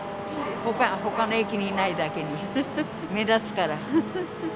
ほかの駅にないだけに目立つから。